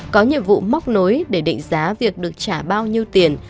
có nhiệm vụ móc nối để định giá việc được trả bao nhiêu tiền